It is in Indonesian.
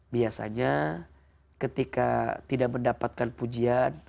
biasanya ketika tidak mendapatkan pujian